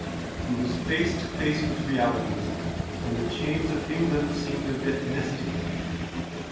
He io THE LIEUTENANT was face to face with realities, and the chains of England seemed a bit misty.